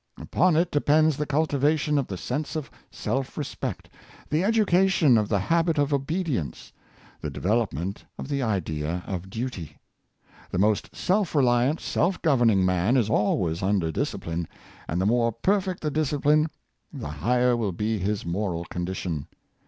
Upon it depends the cultivation of the sense of self respect, the education of the habit of obedience, the development of the idea of duty. The most self reliant, self governing man is always under discipline; and the more perfect the discipline, the higher will be his moral condition.